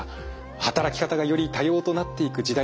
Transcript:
働き方がより多様となっていく時代です。